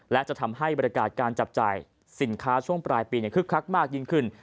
และจะทำให้บรรยากาศการจับจ่ายสินค้าช่วงปลายปีคึกคักมากยิ่งขึ้น